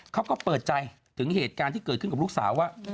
เขาก็เปิดใจถึงเหตุการณ์ที่เกิดขึ้นกับลูกสาวว่า